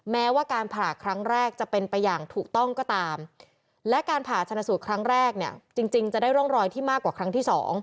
แม้ว่าการผ่าครั้งแรกจะเป็นไปอย่างถูกต้องก็ตามและการผ่าชนะสูตรครั้งแรกเนี่ยจริงจะได้ร่องรอยที่มากกว่าครั้งที่๒